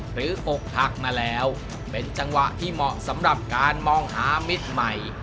อกหักมาแล้วเป็นจังหวะที่เหมาะสำหรับการมองหามิตรใหม่